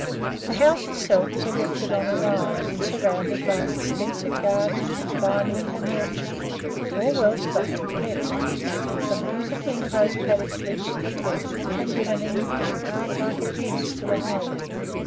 The house itself is erected on a rise and surrounded by an extensive garden, vinery and orchard, all well stocked and kept; some beautifully enclosed paddocks reach to the Creek, and give an English park like appearance to the whole.